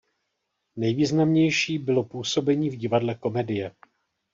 Nejvýznamnější bylo působení v Divadle Komedie.